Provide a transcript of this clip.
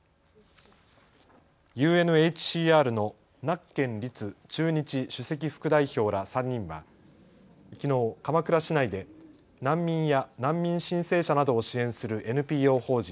ＵＮＨＣＲのナッケン鯉都駐日首席副代表ら３人はきのう鎌倉市内で難民や難民申請者などを支援するＮＰＯ法人